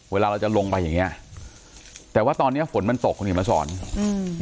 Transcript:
เวลาเราจะลงไปอย่างเงี้ยแต่ว่าตอนเนี้ยฝนมันตกคุณเขียนมาสอนอืม